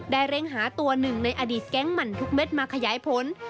เร่งหาตัวหนึ่งในอดีตแก๊งหมั่นทุกเม็ดมาขยายผล